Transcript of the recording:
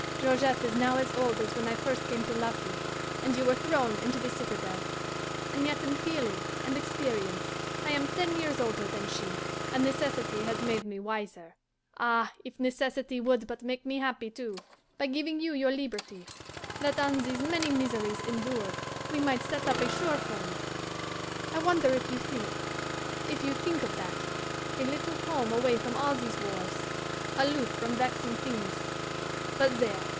Georgette is now as old as when I first came to love you, and you were thrown into the citadel, and yet in feeling and experience, I am ten years older than she; and necessity has made me wiser. Ah, if necessity would but make me happy too, by giving you your liberty, that on these many miseries endured we might set up a sure home. I wonder if you think if you think of that: a little home away from all these wars, aloof from vexing things. But there!